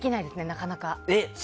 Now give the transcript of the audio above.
なかなか。